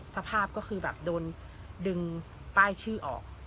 สภาพก็คือแบบโดนดึงป้ายชื่อออก